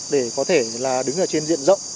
để có thể đứng trên diện rộng